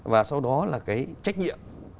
và sau đó là cái trách nhiệm